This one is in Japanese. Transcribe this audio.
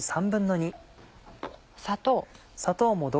砂糖。